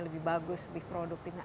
lebih bagus lebih produktifnya